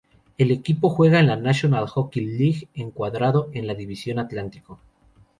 El equipo juega en la National Hockey League encuadrado en la División Atlántico.